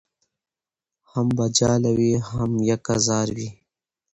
هم به جاله وي هم یکه زار وي